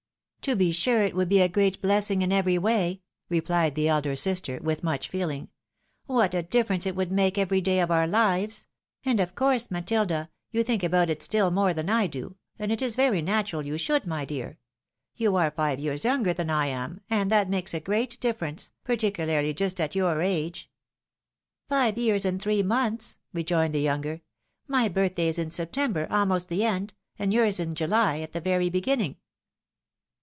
" To be sure it would be a great blessing in every way !" replied the elder sister, with much feeling. " What a difference it would make every day of oiu' lives ! and of course, Matilda, you think about it stiU more than I do, and it is very natural you should, my dear. You are five years younger than I am, and that makes a great difference, particularly just at your age." " Five years and three months," rejoined the younger. " My birthday is in September, almost the end, and yours in July, at the very beginning."